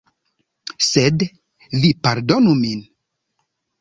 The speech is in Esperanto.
Sed vi pardonu min.